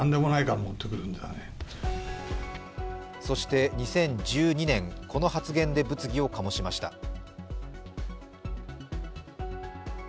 そして、２０１２年、この発言で物議を醸しました。